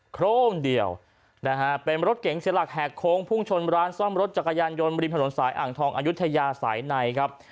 โครมเดียวนะฮะเป็นรถเก๋งเสียหลักแหกโค้งพุ่งชนร้านซ่อมรถจักรยานยนต์บริมถนนสายอ่างทองอายุทยาสายในครับ